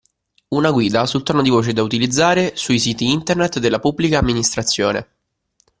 Una guida sul tono di voce da utilizzare sui siti internet della Pubblica Amministrazione.